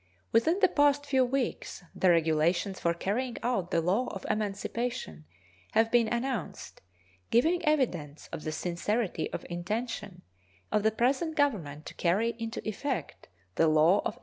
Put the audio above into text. Within the past few weeks the regulations for carrying out the law of emancipation have been announced, giving evidence of the sincerity of intention of the present Government to carry into effect the law of 1870.